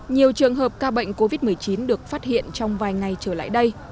nhiều trường hợp ca bệnh covid một mươi chín được phát hiện trong vài ngày trở lại đây